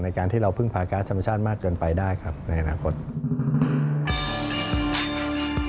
ในการที่เราพึ่งพาก๊าสธรรมชาติมากเกินไปได้ครับในหลังความความเสี่ยง